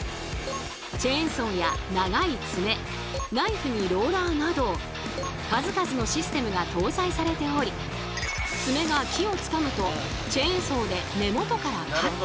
チェーンソーや長い爪ナイフにローラーなど数々のシステムが搭載されており爪が木をつかむとチェーンソーで根元からカット。